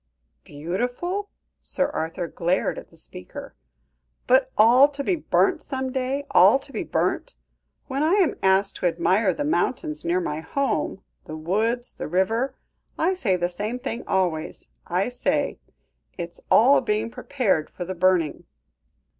"Beautiful?" Sir Arthur glared at the speaker. "But all to be burnt some day all to be burnt. When I am asked to admire the mountains near my home the woods, the river I say the same thing always; I say, 'It is all being prepared for the burning.'"